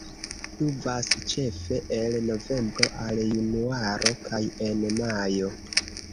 Pluvas ĉefe el novembro al januaro kaj en majo.